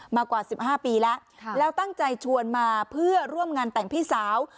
มากว่า๑๕ปีแล้วแล้วตั้งใจชวนมาเพื่อร่วมงานแต่งพี่สาว